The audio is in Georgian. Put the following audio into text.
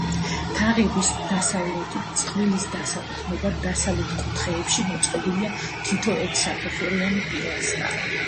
თაღების დასავლეთით წყვილის დასაყრდნობად დასავლეთ კუთხეებში მოწყობილია თითო ერთსაფეხურიანი პილასტარი.